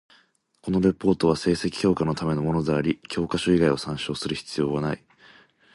このレポートは成績評価のためのものであり、教科書以外を参照する必要なない。